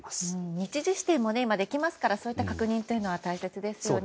日時指定もできますからそういった確認は大切ですよね。